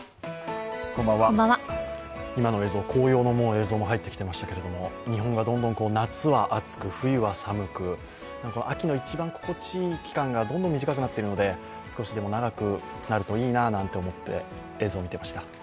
今の映像、紅葉の映像ももう入ってきましたけれども、日本はどんどん夏は暑く冬は寒く、秋の一番心地いい期間がどんどん短くなっているので、少しでも長くなるといいななんて思って映像を見てました。